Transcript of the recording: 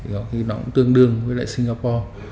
nó cũng tương đương với singapore